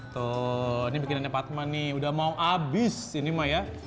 tuh ini bikinannya patma nih udah mau abis ini mah ya